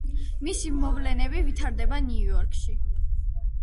მისი მოვლენები ვითარდება ნიუ-იორკში.